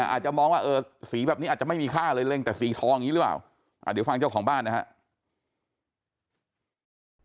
อาจจะมองว่าเออสีแบบนี้อาจจะไม่มีค่าเลยเล็งแต่สีทองอย่างนี้หรือเปล่าเดี๋ยวฟังเจ้าของบ้านนะครับ